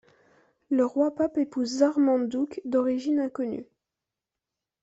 Le roi Pap épouse Zarmandoukht, d'origine inconnue.